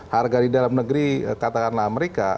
harga di dalam negeri katakanlah amerika